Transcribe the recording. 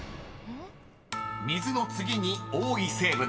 ［水の次に多い成分］